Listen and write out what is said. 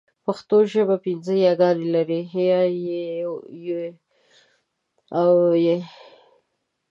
پښتو ژبه پینځه یاګانې لري: ی، ي، ئ، ې او ۍ